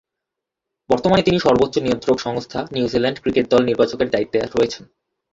বর্তমানে তিনি সর্বোচ্চ নিয়ন্ত্রক সংস্থা নিউজিল্যান্ড ক্রিকেটের দল নির্বাচকের দায়িত্বে রয়েছেন।